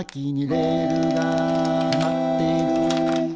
「レールがーまってるー」